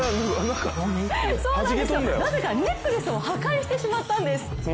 なぜかネックレスを破壊してしまったんです。